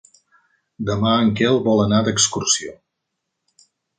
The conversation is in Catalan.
Demà en Quel vol anar d'excursió.